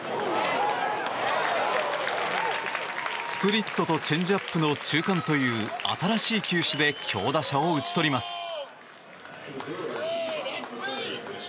スプリットとチェンジアップの中間という新しい球種で強打者を打ち取ります。